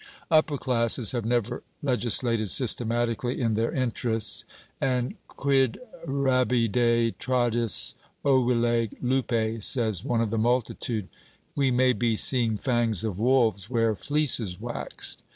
Upper classes have never legislated systematically in their interests; and quid... rabidae tradis ovile lupae? says one of the multitude. We may be seeing fangs of wolves where fleeces waxed.